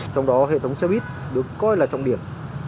trong đó hệ thống xe buýt được coi là trọng điểm